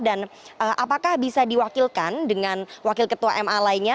dan apakah bisa diwakilkan dengan wakil ketua ma lainnya